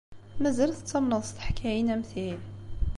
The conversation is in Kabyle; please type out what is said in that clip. Mazal tettamneḍ s teḥkayin am ti?